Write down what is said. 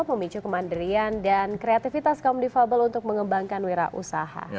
pemicu kemandirian dan kreativitas kaum difabel untuk mengembangkan wirausaha